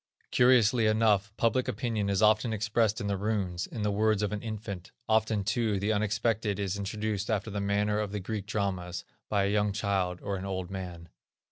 Curiously enough public opinion is often expressed in the runes, in the words of an infant; often too the unexpected is introduced after the manner of the Greek dramas, by a young child, or an old man.